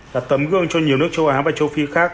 là tấm gương cho nhiều nước châu á và châu phi khác